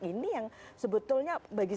ini yang sebetulnya bagi